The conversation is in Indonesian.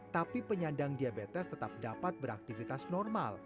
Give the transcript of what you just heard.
tapi penyandang diabetes tetap dapat beraktivitas normal